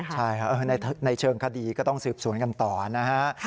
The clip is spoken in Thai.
ใช่ครับในเชิงคดีก็ต้องสืบสวนกันต่อนะฮะ